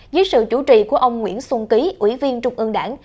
dưới sự chủ trì của ông nguyễn xuân ký ủy viên trục ơn đảng